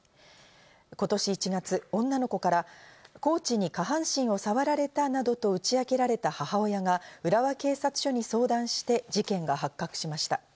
今年１月、女の子からコーチに下半身をさわられたなどと、打ち明けられた母親が浦和警察署に相談して事件が発覚しました。